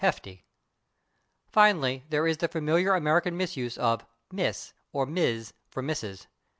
/hefty/. Finally, there is the familiar American misuse of /Miss/ or /Mis'/ for /Mrs.